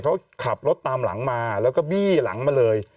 เขาขับรถตามหลังมาแล้วก็บี้หลังมาเลย